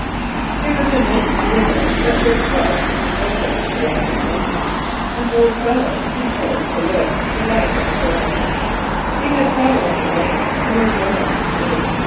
It was in this neighbourhood that there dwelt in the foothills of the Rocky Mountains an old fellow who chose to live the life of a hermit. He had cattle on the range, and was well enough to do.